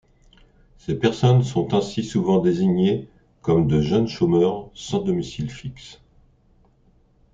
Ces personnes sont ainsi souvent désignées comme de jeunes chômeurs, sans domicile fixe.